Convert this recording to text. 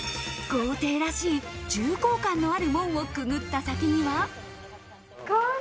豪邸らしい、重厚感のある門をくぐった先には。